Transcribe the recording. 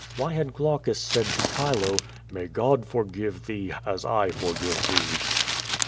Why had Glaucus said to Chilo, May God forgive thee, as I forgive thee?"